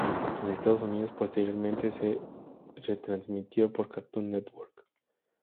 En Estados Unidos posteriormente se retransmitió por Cartoon Network.